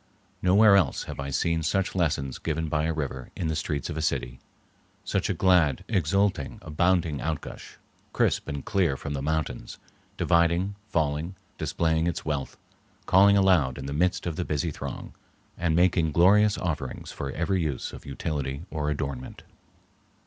Nowhere else have I seen such lessons given by a river in the streets of a city, such a glad, exulting, abounding outgush, crisp and clear from the mountains, dividing, falling, displaying its wealth, calling aloud in the midst of the busy throng, and making glorious offerings for every use of utility or adornment.